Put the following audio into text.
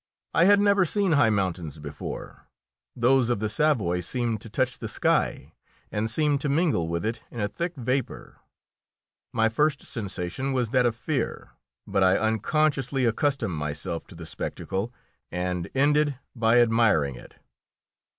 I had never seen high mountains before; those of the Savoy seemed to touch the sky, and seemed to mingle with it in a thick vapour. My first sensation was that of fear, but I unconsciously accustomed myself to the spectacle, and ended by admiring it.